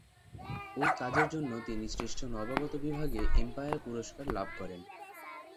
এই কাজের জন্য তিনি শ্রেষ্ঠ নবাগত বিভাগে এম্পায়ার পুরস্কার লাভ করেন।